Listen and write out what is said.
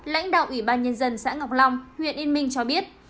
lãnh đạo ủy ban nhân dân xã ngọc long huyện yên minh cho biết